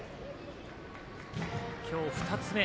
今日２つ目。